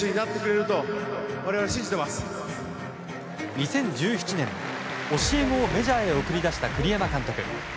２０１７年、教え子をメジャーへ送り出した栗山監督。